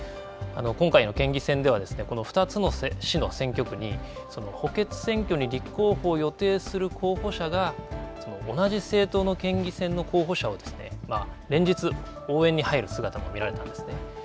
今回の県議選では、この２つの市の選挙区に補欠選挙に立候補を予定する候補者が同じ政党の県議選の候補者を連日、応援に入る姿も見られたんですね。